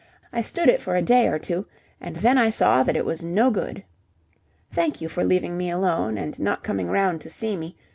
I stood it for a day or two, and then I saw that it was no good. (Thank you for leaving me alone and not coming round to see me.